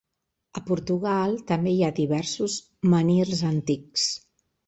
A Portugal també hi ha diversos menhirs antics.